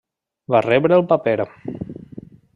Va rebre el paper.